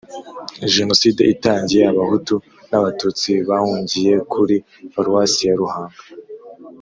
Jenoside itangiye abahutu n abatutsi bahungiye kuri paruwasi ya ruhanga